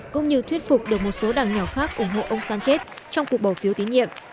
cũng như thuyết phục được một số đảng nhỏ khác ủng hộ ông sánchez trong cuộc bỏ phiếu tín nhiệm